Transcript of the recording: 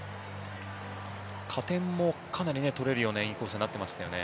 加点もかなり取れるような演技構成になっていましたね。